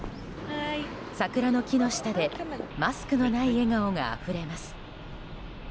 桜の木の下でマスクのない笑顔があふれます。